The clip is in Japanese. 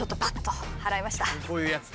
こういうやつ？